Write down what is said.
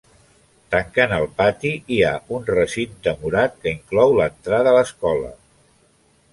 Tancant el pati hi ha un recinte murat que inclou l’entrada a l’escola.